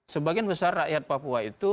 sebagian besar rakyat papua itu